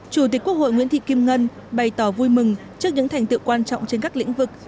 chủ tịch quốc hội nguyễn thị kim ngân bày tỏ vui mừng trước những thành tựu quan trọng trên các lĩnh vực